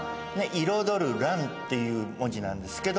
「彩る鸞」っていう文字なんですけど。